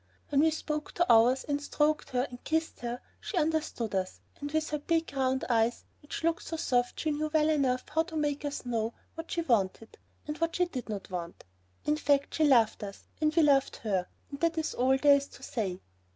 When we spoke to ours and stroked her and kissed her, she understood us, and with her big round eyes which looked so soft, she knew well enough how to make us know what she wanted and what she did not want. In fact, she loved us and we loved her, and that is all there is to say.